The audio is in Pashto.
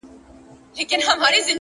مثبت انسان د هیلو مشعل بل ساتي!.